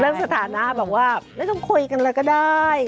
เรื่องสถานะบอกว่าไม่ต้องคุยกันอะไรก็ได้